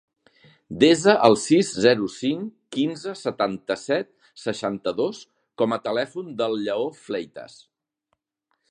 Desa el sis, zero, cinc, quinze, setanta-set, seixanta-dos com a telèfon del Lleó Fleitas.